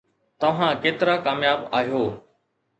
توهان ڪيترا ڪامياب آهيو؟